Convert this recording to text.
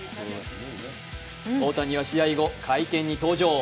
大谷は試合後、会見に登場。